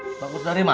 rather baik dari mana